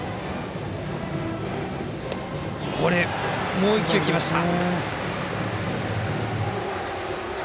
もう１球、来ました。